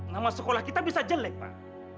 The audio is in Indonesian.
nama sekolah kita bisa jelek pak